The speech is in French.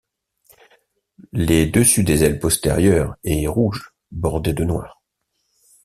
Les dessus des ailes postérieures est rouge bordé de noir.